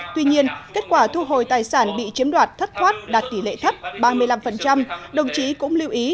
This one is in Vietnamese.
tuy nhiên kết quả thu hồi tài sản bị chiếm đoạt thất thoát đạt tỷ lệ thấp ba mươi năm đồng chí cũng lưu ý